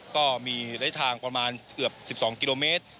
ก็มีระยะทางประมาณเกือบ๑๒กิโลเมตร